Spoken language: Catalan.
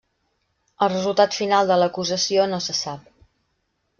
El resultat final de l'acusació no se sap.